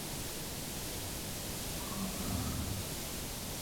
په کلي کې نغاره وډنګېده د خلکو د راټولولو لپاره.